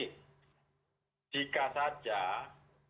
jika saja pada masa masa akhir pemilu ini